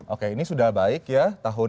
oke ini sudah baik ya tahun dua ribu dua puluh